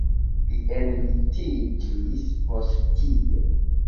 Li enlitiĝis post tio.